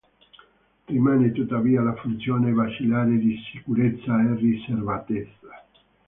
Rimane tuttavia la funzione basilare di sicurezza e riservatezza.